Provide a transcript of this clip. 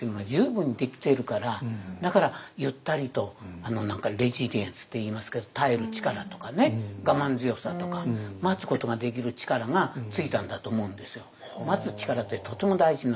だからゆったりとあの何かレジリエンスと言いますけど耐える力とかね我慢強さとか待つことができる力がついたんだと思うんですよ。